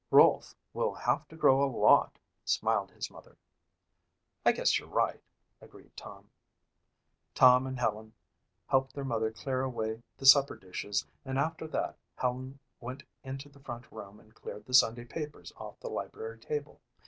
"Rolfe will have to grow a lot," smiled his mother. "I guess you're right," agreed Tom. Tom and Helen helped their mother clear away the supper dishes and after that Helen went into the front room and cleared the Sunday papers off the library table.